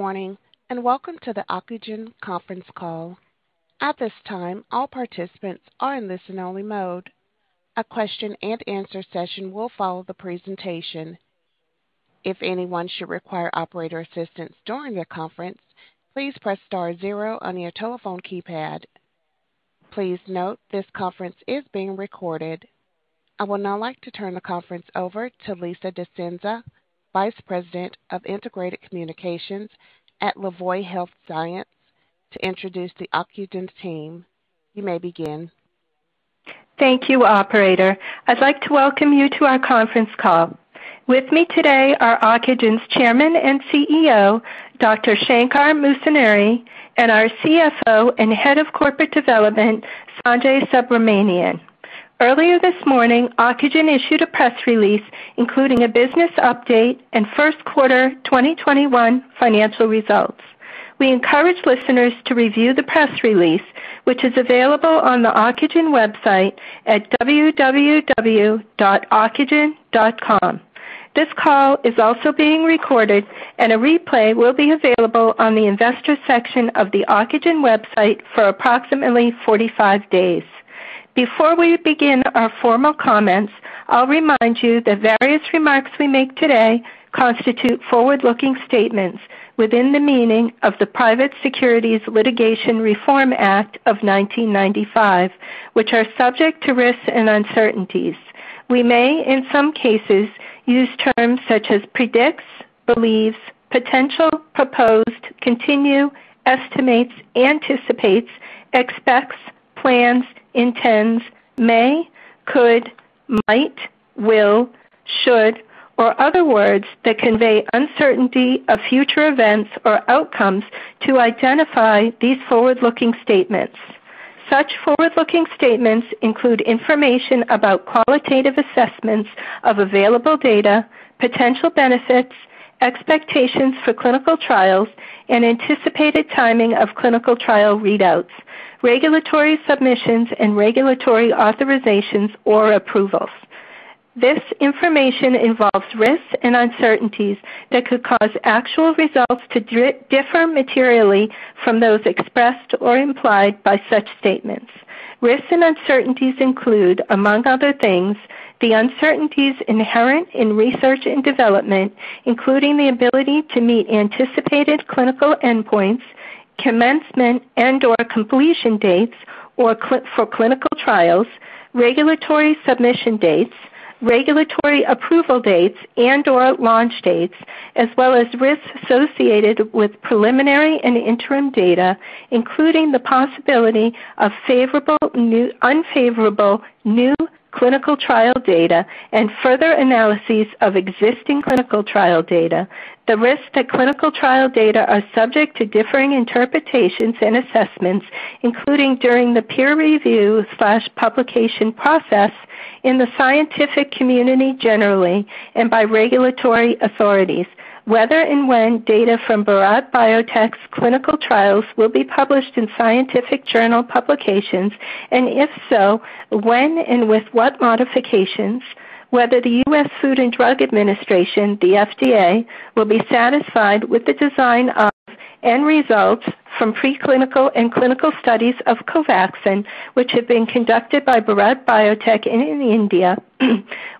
Good morning. Welcome to the Ocugen Conference Call. At this time, all participants are in listen-only mode. A question and answer session will follow the presentation. If anyone should require operator assistance during the conference, please press star zero on your telephone keypad. Please note this conference is being recorded. I would now like to turn the conference over to Lisa DeScenza, Vice President of Integrated Communications at LaVoieHealthScience, to introduce the Ocugen team. You may begin. Thank you, operator. I'd like to welcome you to our conference call. With me today are Ocugen's Chairman and CEO, Dr. Shankar Musunuri, and our CFO and Head of Corporate Development, Sanjay Subramanian. Earlier this morning, Ocugen issued a press release including a business update and First Quarter 2021 Financial Results. We encourage listeners to review the press release, which is available on the Ocugen website at www.ocugen.com. This call is also being recorded, and a replay will be available on the investor section of the Ocugen website for approximately 45 days. Before we begin our formal comments, I'll remind you that various remarks we make today constitute forward-looking statements within the meaning of the Private Securities Litigation Reform Act of 1995, which are subject to risks and uncertainties. We may, in some cases, use terms such as predicts, believes, potential, proposed, continue, estimates, anticipates, expects, plans, intends, may, could, might, will, should, or other words that convey uncertainty of future events or outcomes to identify these forward-looking statements. Such forward-looking statements include information about qualitative assessments of available data, potential benefits, expectations for clinical trials, and anticipated timing of clinical trial readouts, regulatory submissions, and regulatory authorizations or approvals. This information involves risks and uncertainties that could cause actual results to differ materially from those expressed or implied by such statements. Risks and uncertainties include, among other things, the uncertainties inherent in research and development, including the ability to meet anticipated clinical endpoints, commencement and/or completion dates for clinical trials, regulatory submission dates, regulatory approval dates and/or launch dates, as well as risks associated with preliminary and interim data, including the possibility of unfavorable new clinical trial data and further analyses of existing clinical trial data. The risks that clinical trial data are subject to differing interpretations and assessments, including during the peer review/publication process in the scientific community generally and by regulatory authorities. Whether and when data from Bharat Biotech's clinical trials will be published in scientific journal publications, and if so, when and with what modifications. Whether the U.S. Food and Drug Administration, the FDA, will be satisfied with the design of end results from pre-clinical and clinical studies of COVAXIN, which have been conducted by Bharat Biotech in India.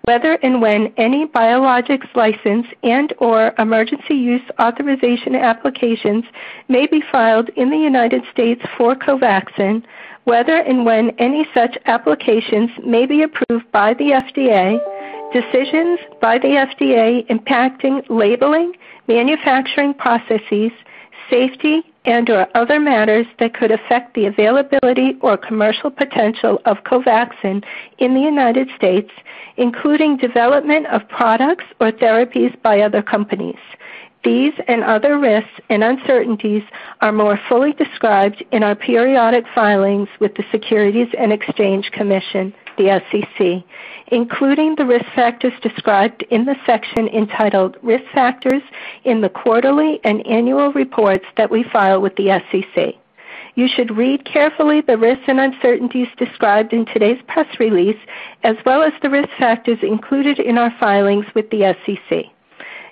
Whether and when any biologics license and/or emergency use authorization applications may be filed in the United States for COVAXIN. Whether and when any such applications may be approved by the FDA. Decisions by the FDA impacting labeling, manufacturing processes, safety, and/or other matters that could affect the availability or commercial potential of COVAXIN in the United States, including development of products or therapies by other companies. These and other risks and uncertainties are more fully described in our periodic filings with the Securities and Exchange Commission, the SEC, including the risk factors described in the section entitled Risk Factors in the quarterly and annual reports that we file with the SEC. You should read carefully the risks and uncertainties described in today's press release, as well as the risk factors included in our filings with the SEC.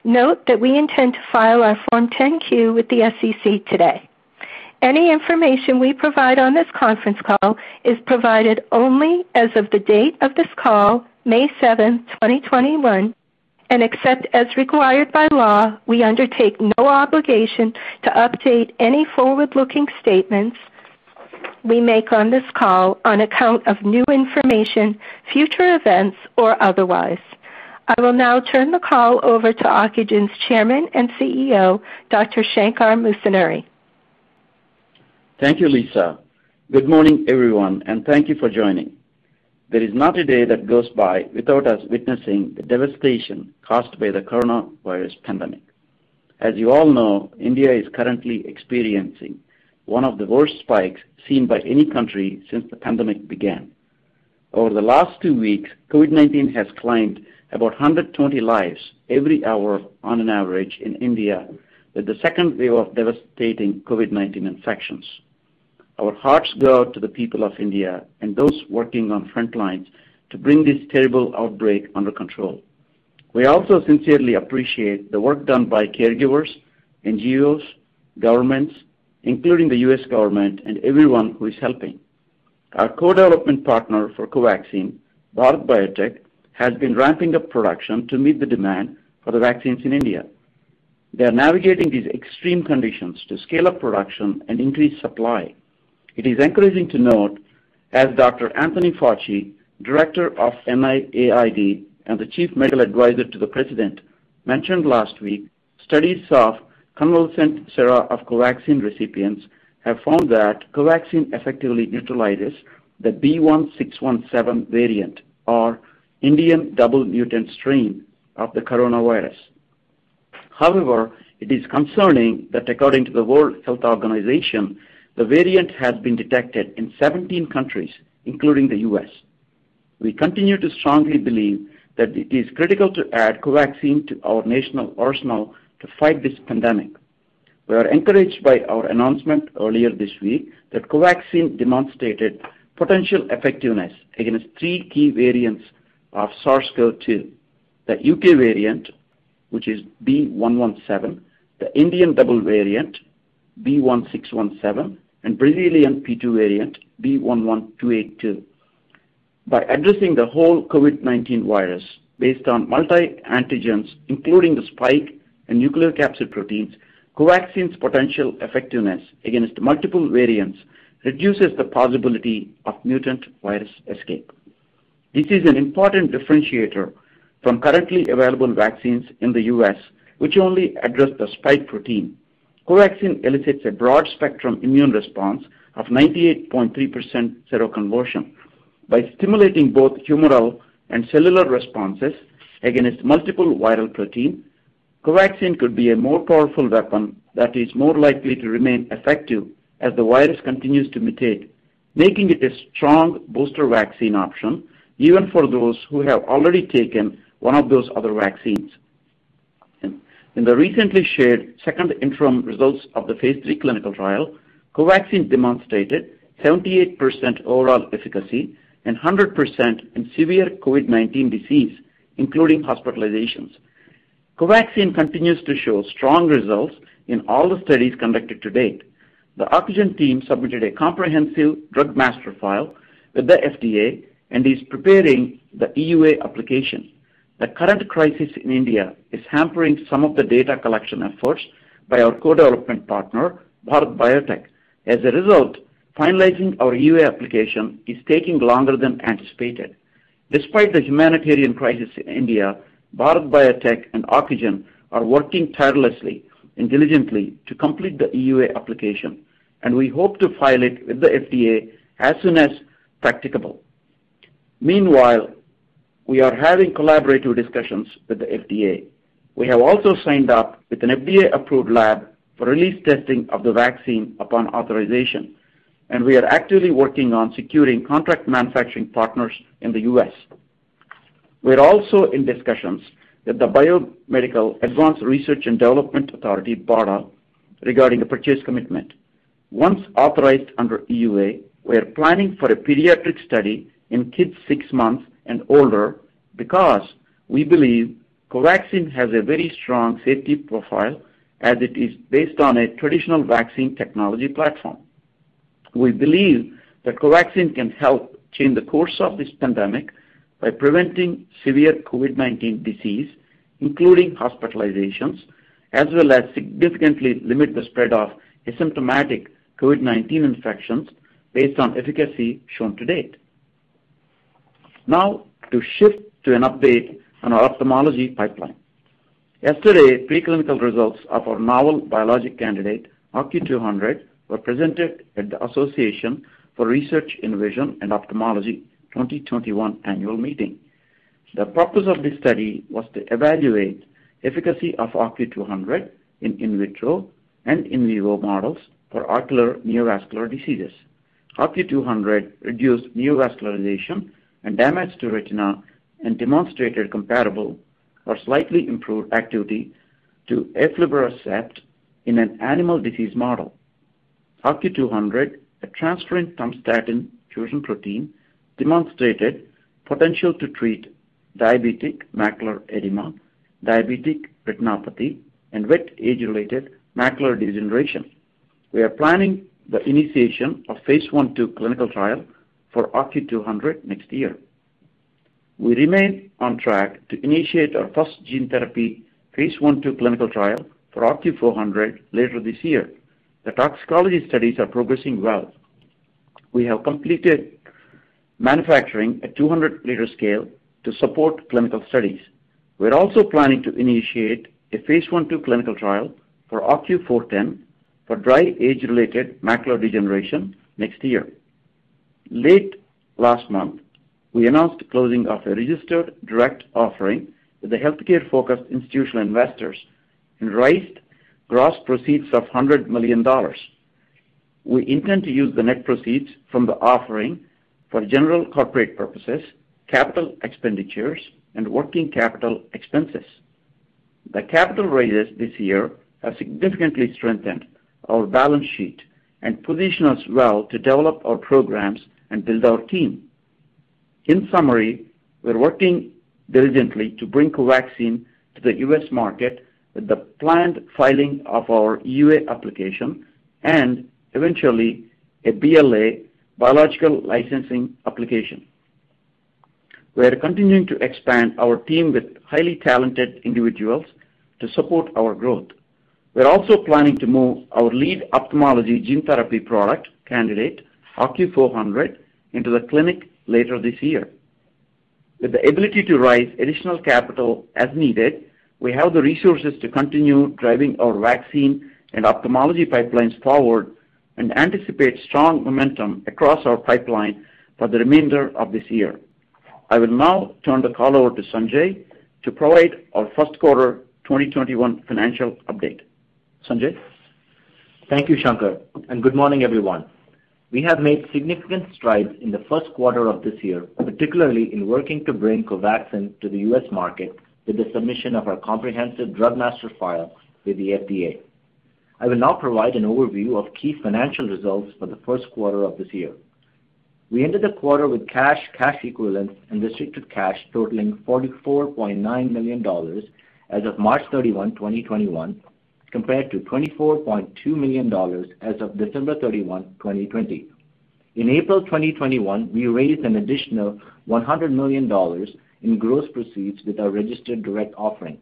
Note that we intend to file our Form 10-Q with the SEC today. Any information we provide on this conference call is provided only as of the date of this call, May 7th, 2021, and except as required by law, we undertake no obligation to update any forward-looking statements we make on this call on account of new information, future events, or otherwise. I will now turn the call over to Ocugen's Chairman and CEO, Dr. Shankar Musunuri. Thank you, Lisa. Good morning, everyone, and thank you for joining. There is not a day that goes by without us witnessing the devastation caused by the coronavirus pandemic. As you all know, India is currently experiencing one of the worst spikes seen by any country since the pandemic began. Over the last two weeks, COVID-19 has claimed about 120 lives every hour on an average in India with the second wave of devastating COVID-19 infections. Our hearts go out to the people of India and those working on front lines to bring this terrible outbreak under control. We also sincerely appreciate the work done by caregivers, NGOs, governments, including the U.S. government, and everyone who is helping. Our co-development partner for COVAXIN, Bharat Biotech, has been ramping up production to meet the demand for the vaccines in India. They're navigating these extreme conditions to scale up production and increase supply. It is encouraging to note, as Dr. Anthony Fauci, director of NIAID and the chief medical advisor to the president, mentioned last week, studies of convalescent sera of COVAXIN recipients have found that COVAXIN effectively neutralizes the B.1.617 variant, or Indian double mutant strain of the coronavirus. It is concerning that according to the World Health Organization, the variant has been detected in 17 countries, including the U.S. We continue to strongly believe that it is critical to add COVAXIN to our national arsenal to fight this pandemic. We are encouraged by our announcement earlier this week that COVAXIN demonstrated potential effectiveness against three key variants of SARS-CoV-2: the U.K. variant, which is B.1.1.7, the Indian double variant, B.1.617, and Brazilian P.2 variant, B.1.1.28.2. By addressing the whole COVID-19 virus based on multi-antigens, including the spike and nucleocapsid proteins, COVAXIN's potential effectiveness against multiple variants reduces the possibility of mutant virus escape. This is an important differentiator from currently available vaccines in the U.S., which only address the spike protein. COVAXIN elicits a broad-spectrum immune response of 98.3% seroconversion. By stimulating both humoral and cellular responses against multiple viral protein, COVAXIN could be a more powerful weapon that is more likely to remain effective as the virus continues to mutate, making it a strong booster vaccine option even for those who have already taken one of those other vaccines. In the recently shared second interim results of the phase III clinical trial, COVAXIN demonstrated 78% overall efficacy and 100% in severe COVID-19 disease, including hospitalizations. COVAXIN continues to show strong results in all the studies conducted to date. The Ocugen team submitted a comprehensive Drug Master File with the FDA and is preparing the EUA application. The current crisis in India is hampering some of the data collection efforts by our co-development partner, Bharat Biotech. As a result, finalizing our EUA application is taking longer than anticipated. Despite the humanitarian crisis in India, Bharat Biotech and Ocugen are working tirelessly and diligently to complete the EUA application, and we hope to file it with the FDA as soon as practicable. Meanwhile, we are having collaborative discussions with the FDA. We have also signed up with an FDA-approved lab for release testing of the vaccine upon authorization, and we are actively working on securing contract manufacturing partners in the U.S. We're also in discussions with the Biomedical Advanced Research and Development Authority, BARDA, regarding a purchase commitment. Once authorized under EUA, we're planning for a pediatric study in kids six months and older because we believe COVAXIN has a very strong safety profile as it is based on a traditional vaccine technology platform. We believe that COVAXIN can help change the course of this pandemic by preventing severe COVID-19 disease, including hospitalizations, as well as significantly limit the spread of asymptomatic COVID-19 infections based on efficacy shown to date. Now to shift to an update on our ophthalmology pipeline. Yesterday, preclinical results of our novel biologic candidate, OCU200, were presented at the Association for Research in Vision and Ophthalmology 2021 annual meeting. The purpose of this study was to evaluate efficacy of OCU200 in in vitro and in vivo models for ocular neovascular diseases. OCU200 reduced neovascularization and damage to retina and demonstrated comparable or slightly improved activity to aflibercept in an animal disease model. OCU200, a transferrin-tumstatin fusion protein, demonstrated potential to treat diabetic macular edema, diabetic retinopathy, and wet age-related macular degeneration. We are planning the initiation of Phase I/II clinical trial for OCU200 next year. We remain on track to initiate our first gene therapy Phase I/II clinical trial for OCU400 later this year. The toxicology studies are progressing well. We have completed manufacturing at 200-liter scale to support clinical studies. We're also planning to initiate a Phase I/II clinical trial for OCU410 for dry age-related macular degeneration next year. Late last month, we announced closing of a registered direct offering with the healthcare-focused institutional investors and raised gross proceeds of $100 million. We intend to use the net proceeds from the offering for general corporate purposes, capital expenditures, and working capital expenses. The capital raises this year have significantly strengthened our balance sheet and position us well to develop our programs and build our team. In summary, we're working diligently to bring COVAXIN to the U.S. market with the planned filing of our EUA application and eventually a BLA, biological licensing application. We are continuing to expand our team with highly talented individuals to support our growth. We're also planning to move our lead ophthalmology gene therapy product candidate, OCU400, into the clinic later this year. With the ability to raise additional capital as needed, we have the resources to continue driving our vaccine and ophthalmology pipelines forward and anticipate strong momentum across our pipeline for the remainder of this year. I will now turn the call over to Sanjay to provide our first quarter 2021 financial update. Sanjay? Thank you, Shankar, and good morning, everyone. We have made significant strides in the first quarter of this year, particularly in working to bring COVAXIN to the U.S. market with the submission of our comprehensive Drug Master File with the FDA. I will now provide an overview of key financial results for the first quarter of this year. We ended the quarter with cash equivalents, and restricted cash totaling $44.9 million as of March 31, 2021, compared to $24.2 million as of December 31, 2020. In April 2021, we raised an additional $100 million in gross proceeds with our registered direct offering.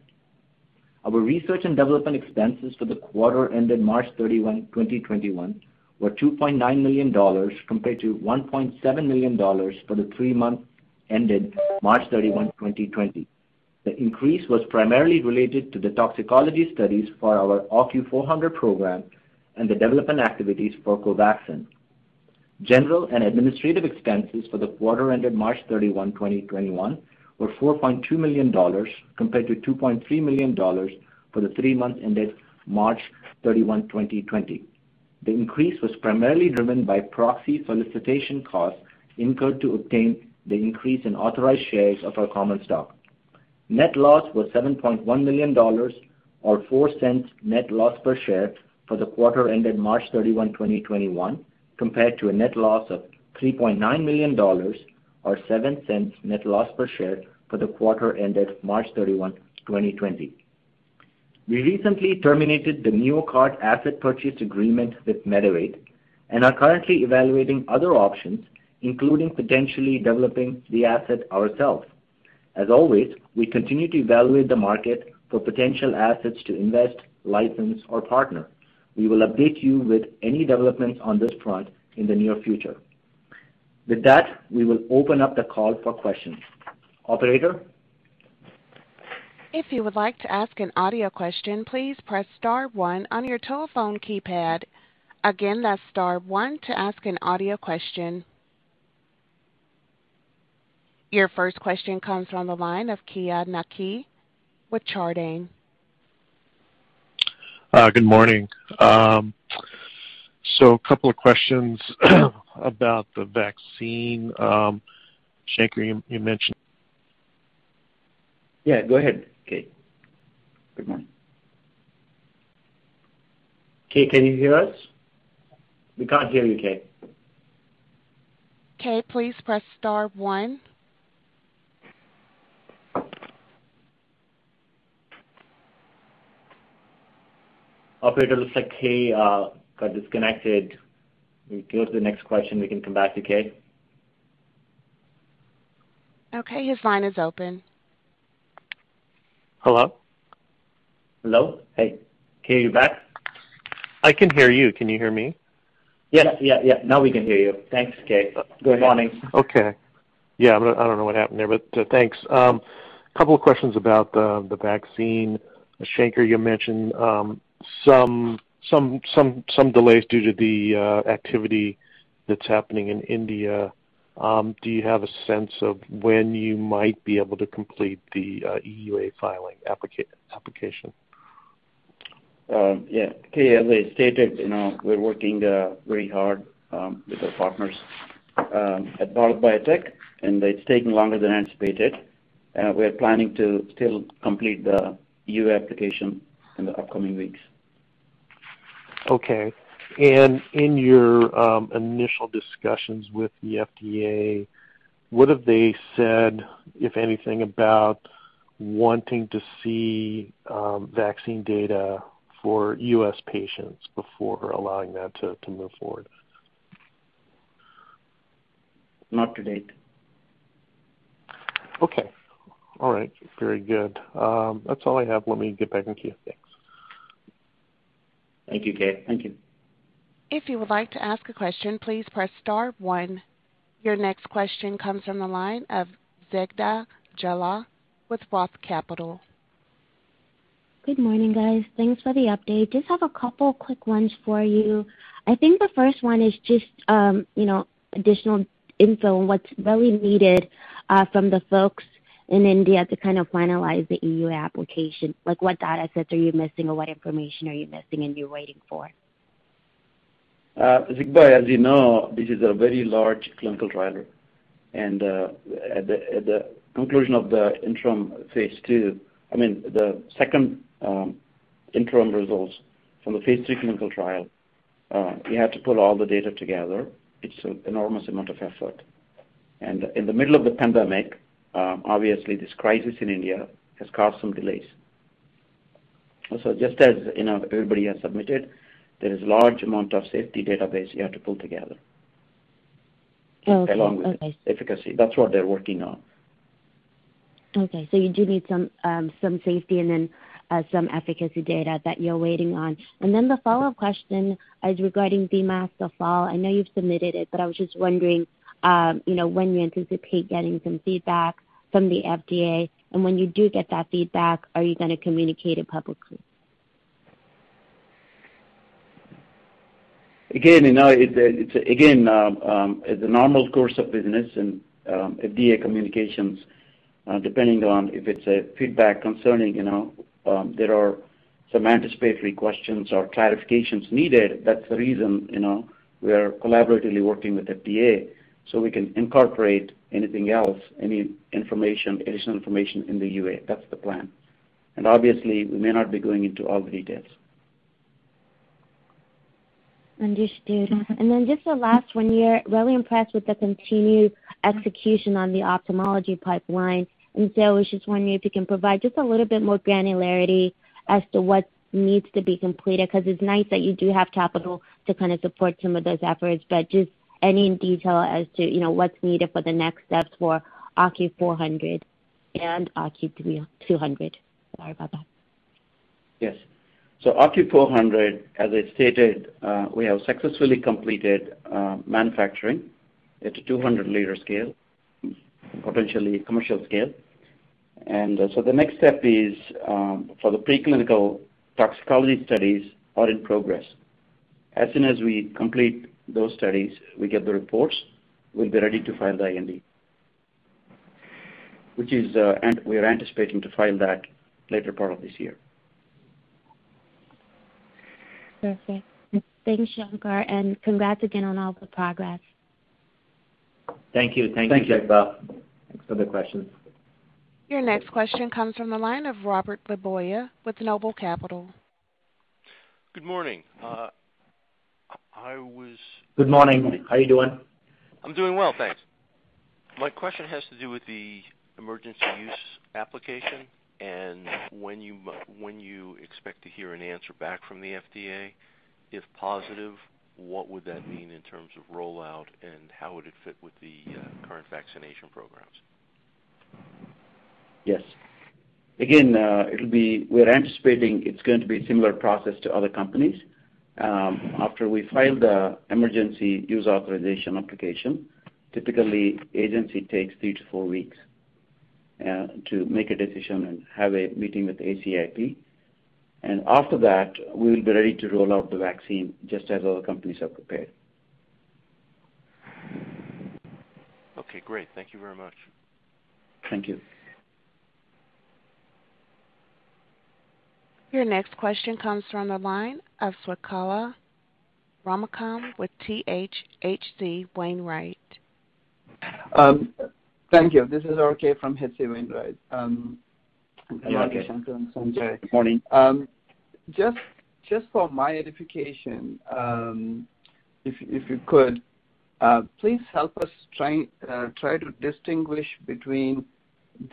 Our research and development expenses for the quarter ended March 31, 2021, were $2.9 million compared to $1.7 million for the three months ended March 31, 2020. The increase was primarily related to the toxicology studies for our OCU400 program and the development activities for COVAXIN. General and administrative expenses for the quarter ended March 31, 2021, were $4.2 million compared to $2.3 million for the three months ended March 31, 2020. The increase was primarily driven by proxy solicitation costs incurred to obtain the increase in authorized shares of our common stock. Net loss was $7.1 million or $0.04 net loss per share for the quarter ended March 31, 2021, compared to a net loss of $3.9 million or $0.07 net loss per share for the quarter ended March 31, 2020. We recently terminated the NeoCart Asset Purchase Agreement with Medavate and are currently evaluating other options, including potentially developing the asset ourselves. As always, we continue to evaluate the market for potential assets to invest, license, or partner. We will update you with any developments on this front in the near future. With that, we will open up the call for questions. Operator? If you would like to ask an audio question, please press star one on your telephone keypad. Again, that's star one to ask an audio question. Your first question comes from the line of Keay Nakae with Chardan. Good morning. Couple of questions about the vaccine. Shankar, you mentioned- Yeah, go ahead, Keay. Good morning. Keay, can you hear us? We can't hear you, Keay. Keay, please press star one. Operator, looks like Keay got disconnected. We go to the next question. We can come back to Keay. Okay, his line is open. Hello? Hello. Hey, Keay, you back? I can hear you. Can you hear me? Yeah. Now we can hear you. Thanks, Keay. Good morning. Okay. Yeah, I don't know what happened there. Thanks. Couple of questions about the vaccine. Shankar, you mentioned some delays due to the activity that's happening in India. Do you have a sense of when you might be able to complete the EUA filing application? Yeah, Keay, as I stated, we're working very hard with our partners at Bharat Biotech. It's taking longer than anticipated. We're planning to still complete the EUA application in the upcoming weeks. Okay. In your initial discussions with the FDA, what have they said, if anything, about wanting to see vaccine data for U.S. patients before allowing that to move forward? Not to date. Okay. All right. Very good. That's all I have. Let me get back in queue. Thanks. Thank you, Keay. Thank you. Your next question comes from the line of Zegbeh Jallah with Roth Capital. Good morning, guys. Thanks for the update. Just have a couple quick ones for you. I think the first one is just additional info on what's really needed from the folks in India to kind of finalize the EUA application. Like, what data sets are you missing or what information are you missing and you're waiting for? Zegbeh, as you know, this is a very large clinical trial. At the conclusion of the interim phase II, I mean, the second interim results from the phase III clinical trial, we had to pull all the data together. It's an enormous amount of effort. In the middle of the pandemic, obviously this crisis in India has caused some delays. Also, just as everybody has submitted, there is large amount of safety database you have to pull together. Okay. Along with efficacy. That's what they're working on. Okay. You do need some safety and then some efficacy data that you're waiting on. The follow-up question is regarding the Master File. I know you've submitted it, but I was just wondering when you anticipate getting some feedback from the FDA, and when you do get that feedback, are you going to communicate it publicly? Again, the normal course of business and FDA communications, depending on if it's a feedback concerning, there are some anticipatory questions or clarifications needed. That's the reason we are collaboratively working with FDA so we can incorporate anything else, any additional information in the EUA. That's the plan. Obviously we may not be going into all the details. Understood. Just the last one, you're really impressed with the continued execution on the ophthalmology pipeline, I was just wondering if you can provide just a little bit more granularity as to what needs to be completed, because it's nice that you do have capital to kind of support some of those efforts. Just any detail as to what's needed for the next steps for OCU400 and OCU200. Sorry about that. Yes. OCU400, as I stated, we have successfully completed manufacturing at a 200-liter scale, potentially commercial scale. The next step is for the preclinical toxicology studies are in progress. As soon as we complete those studies, we get the reports, we'll be ready to file the IND. Which is, we are anticipating to file that later part of this year. Perfect. Thanks, Shankar. Congrats again on all the progress. Thank you. Thanks, Zegbeh. Thanks for the questions. Your next question comes from the line of Robert LeBoyer with Noble Capital Markets. Good morning. Good morning. How are you doing? I'm doing well, thanks. My question has to do with the emergency use application, and when you expect to hear an answer back from the FDA. If positive, what would that mean in terms of rollout, and how would it fit with the current vaccination programs? Yes. We're anticipating it's going to be a similar process to other companies. After we file the emergency use authorization application, typically agency takes three to four weeks to make a decision and have a meeting with ACIP. After that, we'll be ready to roll out the vaccine just as other companies have prepared. Okay, great. Thank you very much. Thank you. Your next question comes from the line of Swayampakula Ramakanth with H.C. Wainwright & Co. Thank you. This is R.K. from H.C. Wainwright. Yeah, R.K., good morning. Just for my edification, if you could, please help us try to distinguish between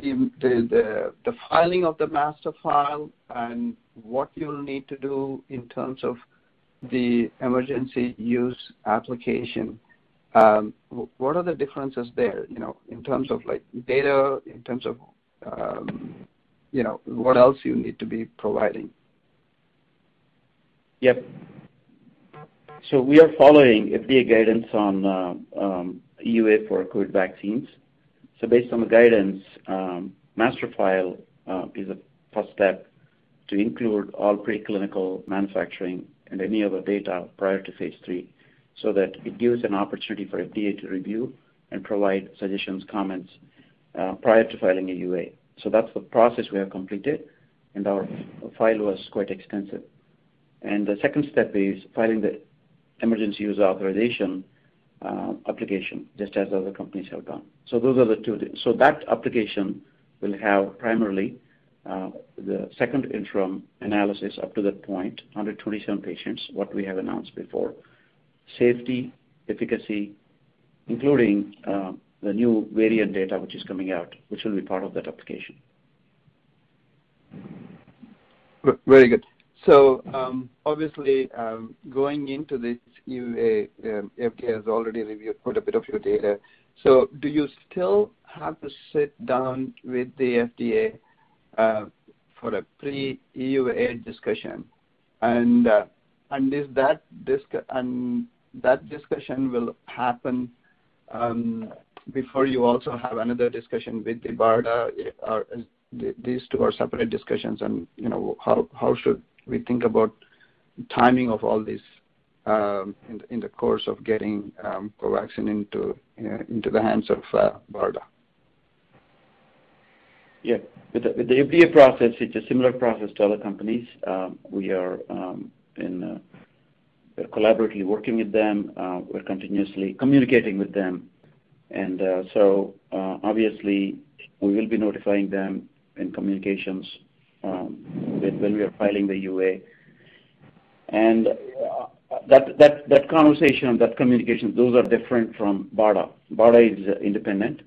the filing of the Master File and what you'll need to do in terms of the Emergency Use Application. What are the differences there, in terms of data, in terms of what else you need to be providing? Yep. We are following FDA guidance on EUA for COVID vaccines. Based on the guidance, Master File is a first step to include all preclinical manufacturing and any other data prior to phase III, so that it gives an opportunity for FDA to review and provide suggestions, comments, prior to filing a EUA. That's the process we have completed, and our file was quite extensive. The second step is filing the Emergency Use Authorization application, just as other companies have done. Those are the two things. That application will have primarily, the second interim analysis up to that point, 127 patients, what we have announced before. Safety, efficacy, including the new variant data which is coming out, which will be part of that application. Very good. Obviously, going into this EUA, FDA has already reviewed quite a bit of your data. Do you still have to sit down with the FDA for a pre-EUA discussion? That discussion will happen before you also have another discussion with the BARDA? These two are separate discussions and how should we think about timing of all this in the course of getting COVAXIN into the hands of BARDA? Yeah. With the FDA process, it's a similar process to other companies. We are collaboratively working with them. We're continuously communicating with them. Obviously, we will be notifying them in communications when we are filing the EUA. That conversation or that communication, those are different from BARDA. BARDA is independent,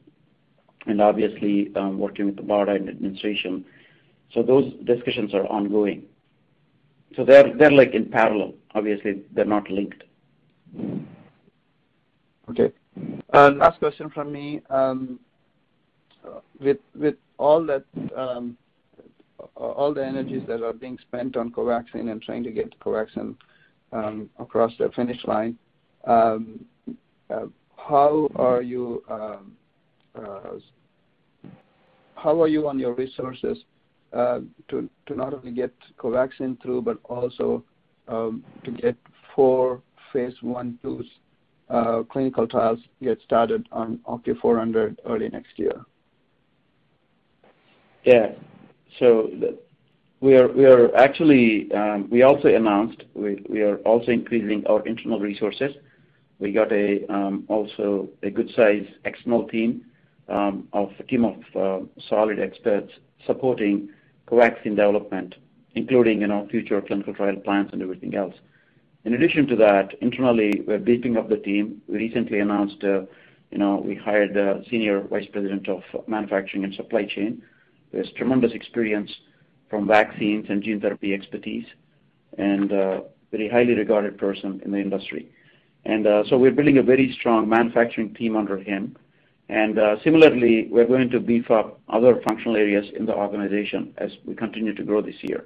and obviously working with the BARDA administration. Those discussions are ongoing. They're in parallel. Obviously, they're not linked. Okay. Last question from me. With all the energies that are being spent on COVAXIN and trying to get COVAXIN across the finish line, how are you on your resources to not only get COVAXIN through, but also to get four phase I, II clinical trials get started on OCU400 early next year? Yeah. We also announced we are also increasing our internal resources. We got also a good size external team, a team of solid experts supporting COVAXIN development, including in our future clinical trial plans and everything else. In addition to that, internally, we're beefing up the team. We recently announced we hired the senior vice president of manufacturing and supply chain, who has tremendous experience from vaccines and gene therapy expertise, and a very highly regarded person in the industry. We're building a very strong manufacturing team under him. Similarly, we're going to beef up other functional areas in the organization as we continue to grow this year.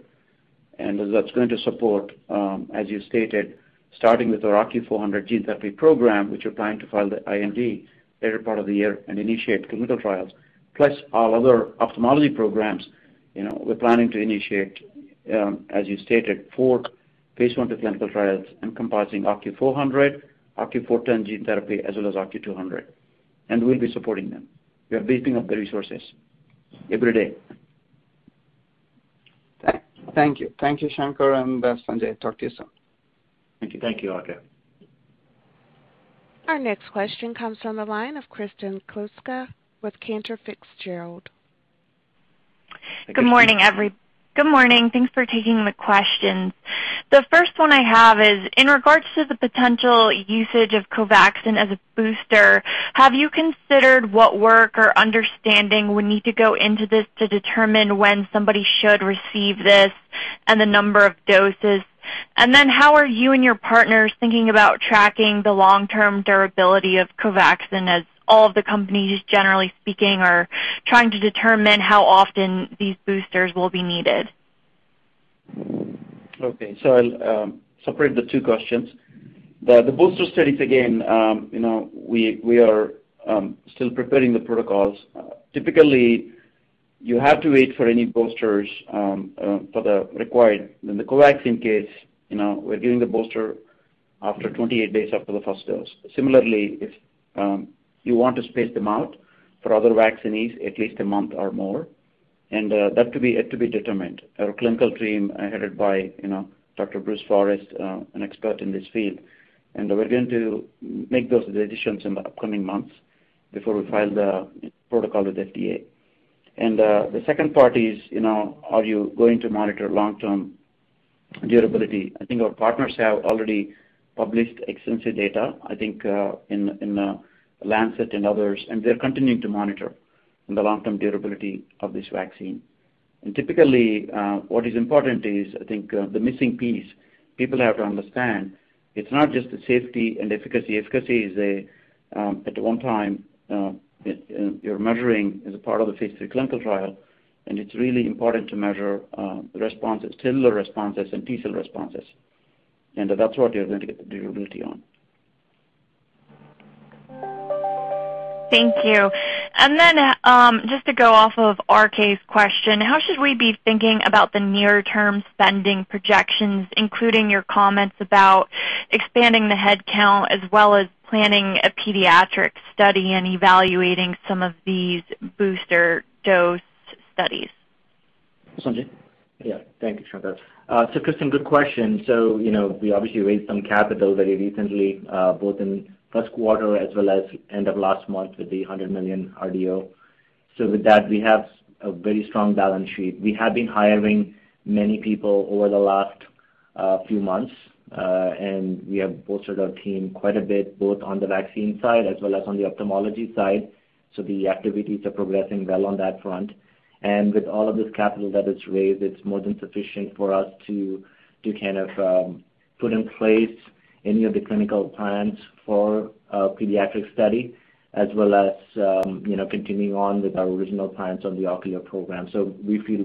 That's going to support, as you stated, starting with our OCU400 gene therapy program, which we're planning to file the IND later part of the year and initiate clinical trials, plus our other ophthalmology programs. We're planning to initiate, as you stated, four phase I/II clinical trials encompassing OCU400, OCU410 gene therapy, as well as OCU200. We'll be supporting them. We are beefing up the resources every day. Thank you. Thank you, Shankar, and Sanjay. Talk to you soon. Thank you. Thank you, RK. Our next question comes from the line of Kristen Kluska with Cantor Fitzgerald. Good morning. Thanks for taking the questions. The first one I have is in regards to the potential usage of COVAXIN as a booster, have you considered what work or understanding would need to go into this to determine when somebody should receive this and the number of doses? Then how are you and your partners thinking about tracking the long-term durability of COVAXIN, as all of the companies, generally speaking, are trying to determine how often these boosters will be needed? Okay. I'll separate the two questions. The booster studies, again, we are still preparing the protocols. Typically, you have to wait for any boosters for the required. In the COVAXIN case, we're giving the booster after 28 days after the first dose. Similarly, if you want to space them out for other vaccinees, at least a month or more, and that to be yet to be determined. Our clinical team, headed by Dr. Bruce Forrest, an expert in this field, and we're going to make those decisions in the upcoming months before we file the protocol with FDA. The second part is, are you going to monitor long-term durability? I think our partners have already published extensive data, I think, in "The Lancet" and others, and they're continuing to monitor the long-term durability of this vaccine. Typically, what is important is, I think, the missing piece. People have to understand, it's not just the safety and efficacy. Efficacy is at one time, you're measuring as a part of the phase III clinical trial, it's really important to measure the responses, cellular responses and T-cell responses. That's what you're going to get the durability on. Thank you. Just to go off of R.K.'s question, how should we be thinking about the near-term spending projections, including your comments about expanding the headcount as well as planning a pediatric study and evaluating some of these booster dose studies? Sanjay? Yeah. Thank you, Shankar. Kristen, good question. We obviously raised some capital very recently, both in first quarter as well as end of last month with the $100 million RDO. With that, we have a very strong balance sheet. We have been hiring many people over the last few months, and we have bolstered our team quite a bit, both on the vaccine side as well as on the ophthalmology side. The activities are progressing well on that front. With all of this capital that is raised, it's more than sufficient for us to kind of put in place any of the clinical plans for a pediatric study as well as continuing on with our original plans on the ocular program. We feel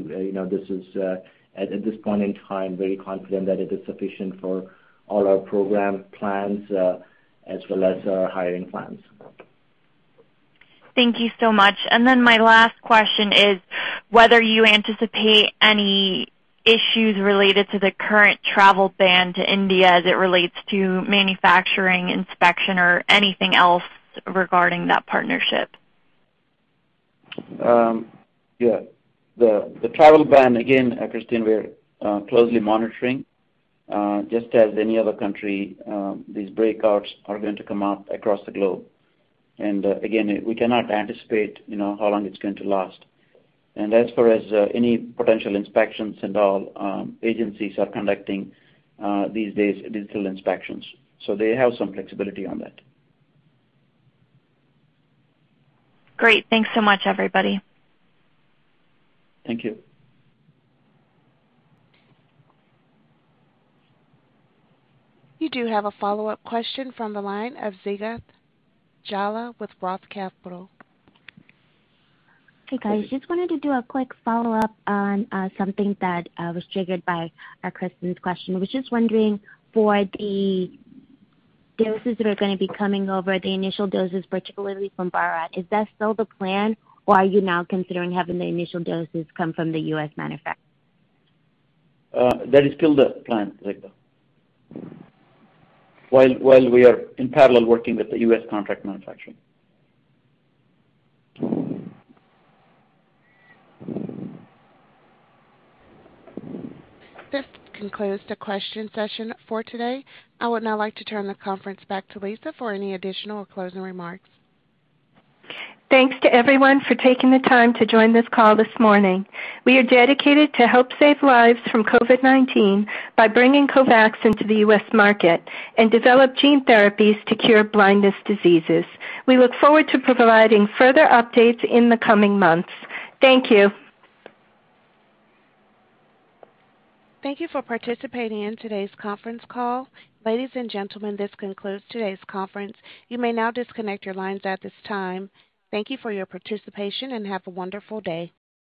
at this point in time very confident that it is sufficient for all our program plans as well as our hiring plans. Thank you so much. My last question is whether you anticipate any issues related to the current travel ban to India as it relates to manufacturing, inspection, or anything else regarding that partnership. Yeah. The travel ban, again, Kristen Kluska, we're closely monitoring. Just as any other country, these breakouts are going to come up across the globe. Again, we cannot anticipate how long it's going to last. As far as any potential inspections and all, agencies are conducting these days digital inspections, so they have some flexibility on that. Great. Thanks so much, everybody. Thank you. You do have a follow-up question from the line of Zegbeh Jallah with Roth Capital. Hey, guys. Just wanted to do a quick follow-up on something that was triggered by Kristen Kluska's question. Was just wondering, for the doses that are going to be coming over, the initial doses, particularly from Bharat, is that still the plan, or are you now considering having the initial doses come from the U.S. manufacturer? That is still the plan, Zegbeh Jallah. While we are in parallel working with the U.S. contract manufacturer. This concludes the question session for today. I would now like to turn the conference back to Lisa for any additional or closing remarks. Thanks to everyone for taking the time to join this call this morning. We are dedicated to help save lives from COVID-19 by bringing COVAXIN to the U.S. market and develop gene therapies to cure blindness diseases. We look forward to providing further updates in the coming months. Thank you. Thank you for participating in today's conference call. Ladies and gentlemen, this concludes today's conference. You may now disconnect your lines at this time. Thank you for your participation, and have a wonderful day.